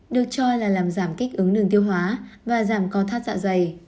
được cho là làm giảm kích ứng đường tiêu hóa và giảm co thắt dạ dày